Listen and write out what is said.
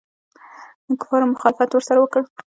کفارو مخالفت ورسره وکړ.